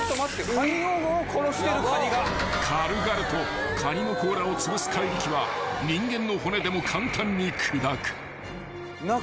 ［軽々とカニの甲羅をつぶす怪力は人間の骨でも簡単に砕く］